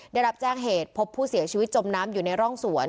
ได้รับแจ้งเหตุพบผู้เสียชีวิตจมน้ำอยู่ในร่องสวน